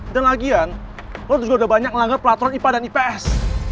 dan lagian lo juga udah banyak melanggar peraturan ipa dan ips